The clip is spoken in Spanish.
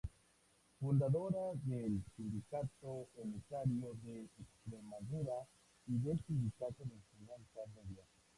Fundadora del Sindicato Unitario de Extremadura y del Sindicato de Enseñanza Media.